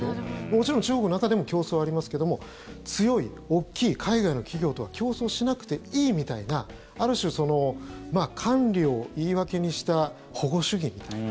もちろん、中国の中でも競争、ありますけども強い大きい海外の企業とは競争しなくていいみたいなある種、管理を言い訳にした保護主義みたいな。